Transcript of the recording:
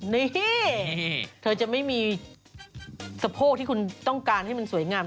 นี่เธอจะไม่มีสะโพกที่คุณต้องการให้มันสวยงาม